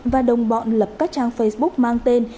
và đồng bọn lập các trang facebook mang tên